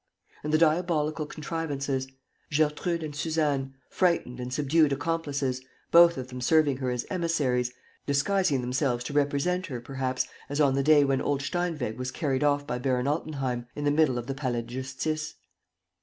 And the diabolical contrivances: Gertrude and Suzanne, frightened and subdued accomplices, both of them serving her as emissaries, disguising themselves to represent her, perhaps, as on the day when old Steinweg was carried off by Baron Altenheim, in the middle of the Palais de Justice.